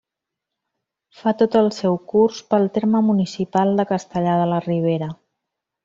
Fa tot el seu curs pel terme municipal de Castellar de la Ribera.